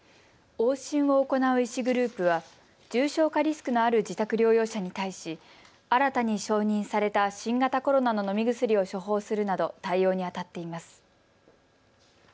往診を行う医師グループは重症化リスクのある自宅療養者に対し新たに承認された新型コロナの飲み薬を処方するなど対応にあたっています。